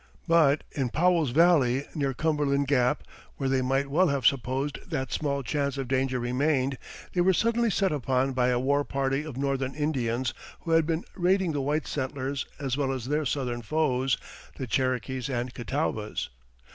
But in Powell's Valley, near Cumberland Gap, where they might well have supposed that small chance of danger remained, they were suddenly set upon by a war party of Northern Indians who had been raiding the white settlers as well as their Southern foes, the Cherokees and Catawbas.